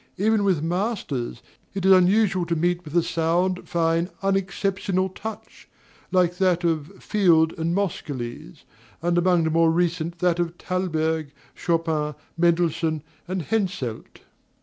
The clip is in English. Even with masters, it is unusual to meet with a sound, fine, unexceptionable touch, like that of Field and Moscheles, and among the more recent that of Thalberg, Chopin, Mendelssohn, and Henselt.